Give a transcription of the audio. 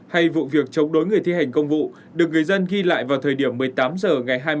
hay vụ việc chống đối người thi hành công vụ được người dân ghi lại vào thời điểm một mươi tám h ngày hai mươi